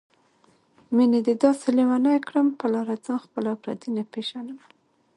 مينې دې داسې لېونی کړم په لاره ځم خپل او پردي نه پېژنمه